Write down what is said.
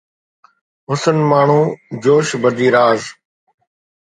حسن مارون جوش بدي ناز